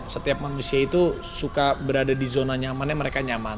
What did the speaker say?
setiap manusia itu suka berada di zona nyamannya mereka nyaman